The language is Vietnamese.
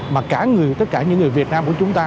mà cả tất cả những người việt nam của chúng ta